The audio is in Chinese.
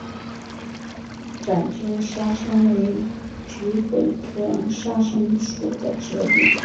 展枝沙参为桔梗科沙参属的植物。